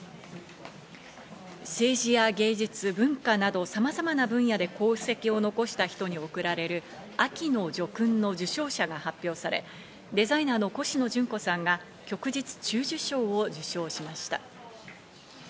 政治や芸術文化などさまざまな分野で功績を残した人に贈られる秋の叙勲の受章者が発表され、デザイナーのコシノジュンコさんが旭日中綬章を受章しました。